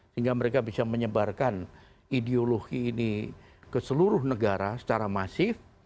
sehingga mereka bisa menyebarkan ideologi ini ke seluruh negara secara masif